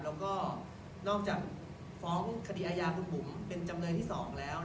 แล้วก็นอกจากฟ้องคดีอาญาคุณบุ๋มเป็นจำเลยที่๒แล้ว